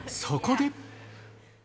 そこで。